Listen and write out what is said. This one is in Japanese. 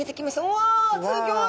うわすギョい！